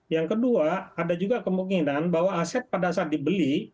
yang kedua ada juga kemungkinan bahwa aset pada saat dibeli